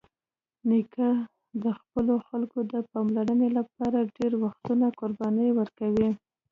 نیکه د خپلو خلکو د پاملرنې لپاره ډېری وختونه قرباني ورکوي.